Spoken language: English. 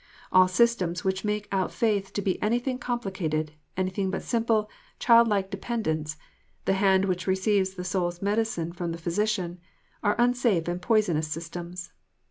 All systems which make out faith to be any thing complicated, anything but a simple, childlike dependence, the hand which receives the soul s medicine from the physician, are unsafe and poisonous systems.